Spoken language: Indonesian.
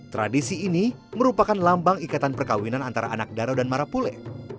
tradisi ini merupakan lambang ikatan perkawinan antara anak daro dan marapule